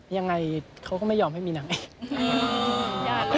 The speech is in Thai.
ยังไงเขาก็ไม่ยอมให้มีหนัง